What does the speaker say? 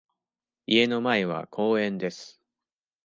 家の前は公園です。